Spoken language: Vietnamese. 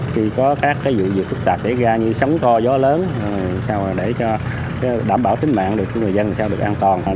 khi có các vụ việc phức tạp xảy ra như sóng to gió lớn để đảm bảo tính mạng của người dân sao được an toàn